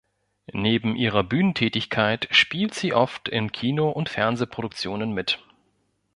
Neben ihrer Bühnentätigkeit spielt sie oft in Kino- und Fernsehproduktionen mit.